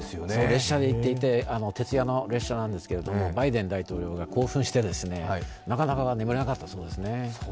列車で行っていて、徹夜の列車なんですけど、バイデン大統領が興奮してなかなか眠れなかったそうですね。